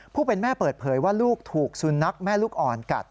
ผู้เป็นแม่เปิดเผยว่าลูกถูกสุนัขแม่ลูกอ่อนกัด